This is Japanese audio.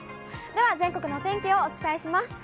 では、全国のお天気をお伝えします。